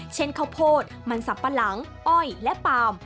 เช่นข้าวโพดมันสับปะหลังอ้อยและปาล์ม